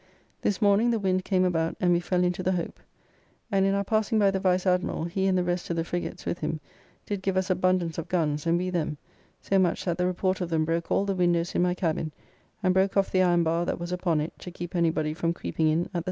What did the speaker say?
This morning, the wind came about, and we fell into the Hope, [A reach of the Thames near Tilbury.] and in our passing by the Vice Admiral, he and the rest of the frigates, with him, did give us abundance of guns and we them, so much that the report of them broke all the windows in my cabin and broke off the iron bar that was upon it to keep anybody from creeping in at the Scuttle.